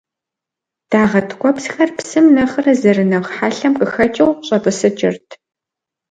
Дагъэ ткӏуэпсхэр псым нэхърэ зэрынэхъ хьэлъэм къыхэкӏыу щӏэтӏысыкӏырт.